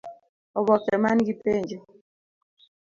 Oboke man gi penjo: